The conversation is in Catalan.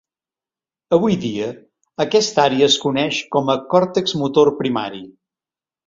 Avui dia, aquesta àrea es coneix com a còrtex motor primari.